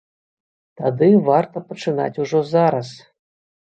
Тады варта пачынаць ужо зараз!